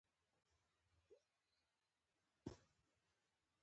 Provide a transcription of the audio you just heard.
افغانستان په هر فصل کې له دځنګل حاصلاتو ډک دی.